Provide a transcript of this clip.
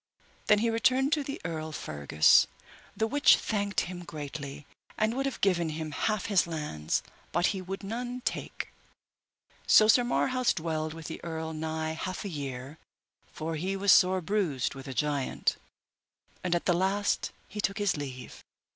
Then he returned to the Earl Fergus, the which thanked him greatly, and would have given him half his lands, but he would none take. So Sir Marhaus dwelled with the earl nigh half a year, for he was sore bruised with the giant, and at the last he took his leave.